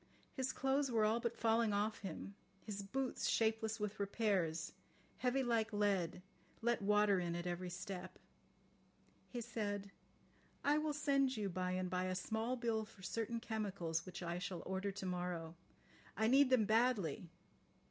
His clothes were all but falling off him, his boots, shapeless with repairs, heavy like lead, let water in at every step. He said: "I will send you by and by a small bill for certain chemicals which I shall order to morrow. I need them badly.